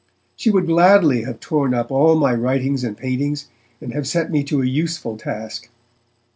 She would gladly have torn up all my writings and paintings, and have set me to a useful task.